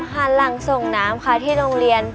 หันหลังส่งน้ำค่ะที่โรงเรียน